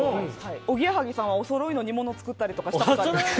おぎやはぎさんはおそろいの煮物を作ったりとかしたことあります？